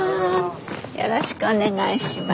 よろしくお願いします。